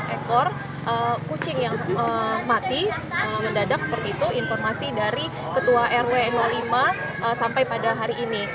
enam ekor kucing yang mati mendadak seperti itu informasi dari ketua rw lima sampai pada hari ini